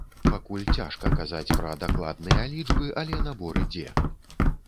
Пакуль цяжка казаць пра дакладныя лічбы, але набор ідзе.